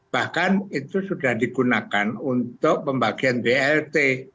bahkan itu sudah digunakan untuk pembagian blt